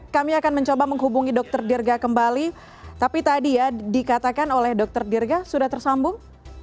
kami akan mencoba menghubungi dr dirga kembali tapi tadi ya dikatakan oleh dr dirga sudah tersambung